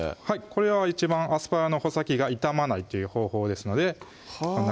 これは一番アスパラの穂先が傷まないっていう方法ですのではぁ